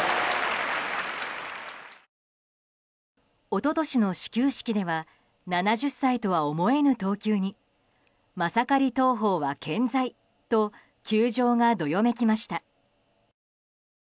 一昨年の始球式では７０歳とは思えぬ投球にマサカリ投法は健在！と球場がどよめきました。